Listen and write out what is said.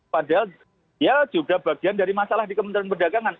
padahal dia juga bagian dari masalah di kementerian perdagangan